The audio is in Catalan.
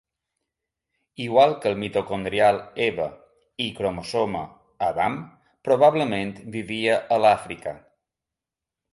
Igual que el mitocondrial "Eva", i-cromosoma "Adam" probablement vivia a l'Àfrica.